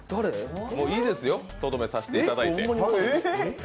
いいですよ、とどめ刺していただいて。